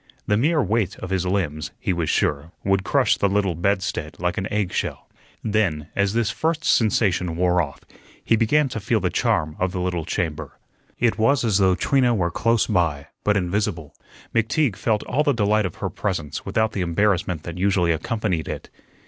The mere weight of his limbs, he was sure, would crush the little bed stead like an eggshell. Then, as this first sensation wore off, he began to feel the charm of the little chamber. It was as though Trina were close by, but invisible. McTeague felt all the delight of her presence without the embarrassment that usually accompanied it.